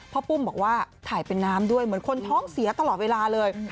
ปุ้มบอกว่าถ่ายเป็นน้ำด้วยเหมือนคนท้องเสียตลอดเวลาเลย